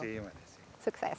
terima kasih mbak desi